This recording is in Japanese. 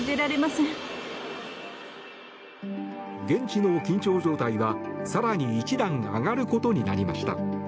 現地の緊張状態は更に１段上がることになりました。